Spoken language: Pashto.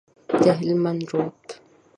د هلمند رود،